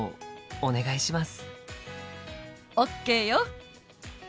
お願いします。